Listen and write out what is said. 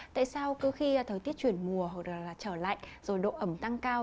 tại sao cứ khi thời tiết chuyển mùa hoặc là trở lại rồi độ ẩm tăng cao